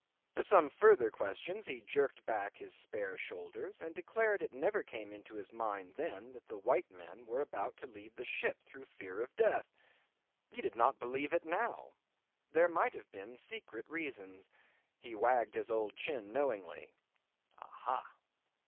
To some further questions he jerked back his spare shoulders, and declared it never came into his mind then that the white men were about to leave the ship through fear of death. He did not believe it now. There might have been secret reasons. He wagged his old chin knowingly. Aha!